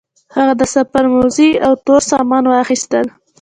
هغه د سفر موزې او تور سامان وغوښتل.